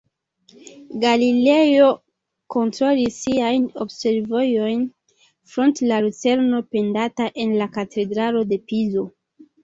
Galilejo kontrolis siajn observojn fronte la lucerno pendanta en la Katedralo de Pizo.